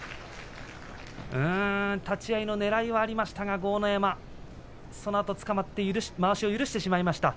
立ち合いのねらいはありましたが豪ノ山、そのあとつかまってまわしを許してしまいました。